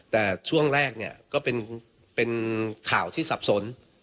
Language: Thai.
แต่ช่วงแรกเนี่ยก็เป็นข่าวที่สับสน